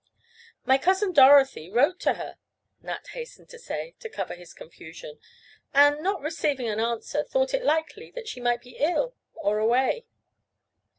"My cousin, Dorothy, wrote to her," Nat hastened to say, to cover his confusion, "and, not receiving an answer, thought it likely that she might be ill, or away."